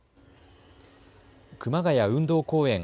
熊谷運動公園